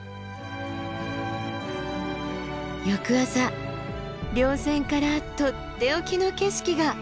翌朝稜線からとっておきの景色が。